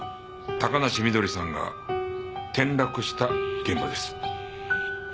高梨翠さんが転落した現場です。